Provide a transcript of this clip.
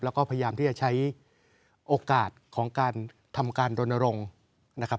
แล้วก็พยายามที่จะใช้โอกาสของการทำการรณรงค์นะครับ